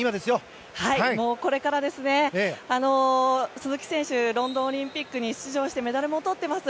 鈴木選手はロンドンオリンピックに出場してメダルもとっています。